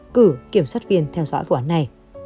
cử kiểm sát viên theo dõi vụ án này